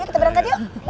ya kita berangkat yuk